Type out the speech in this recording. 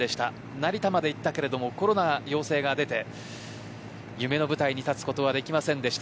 成田まで行ったけどコロナ陽性が出て夢の舞台に立つことはできませんでした。